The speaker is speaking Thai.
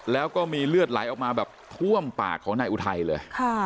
แล้วก็มีเลือดไหลออกมาแบบท่วมปากของนายอุทัยเลย